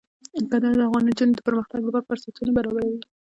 کندهار د افغان نجونو د پرمختګ لپاره فرصتونه برابروي.